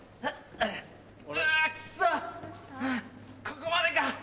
ここまでか。